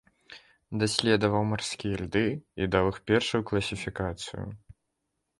Даследаваў марскія льды і даў іх першую класіфікацыю.